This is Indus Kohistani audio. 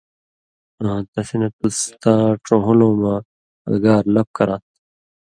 آں تسی نہ تُس تاں ڇُن٘ہُلوۡ مہ (اگار) لپ کراں تھہ